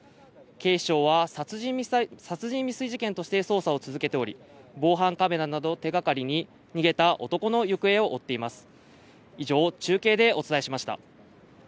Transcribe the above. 警視庁は殺人未遂事件として捜査を続けており、防犯カメラなどを手がかりに逃げた男の行方を追っています。